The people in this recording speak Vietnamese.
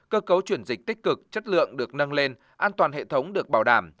cơ cấu chuyển dịch tích cực chất lượng được nâng lên an toàn hệ thống được bảo đảm